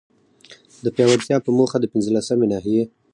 د پياوړتيا په موخه، د پنځلسمي ناحيي